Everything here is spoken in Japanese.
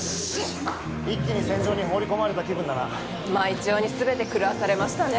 一気に戦場に放り込まれた気分だな毎朝にすべて狂わされましたね